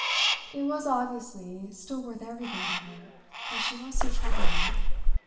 It was obviously still worth everything to her that she was so charming.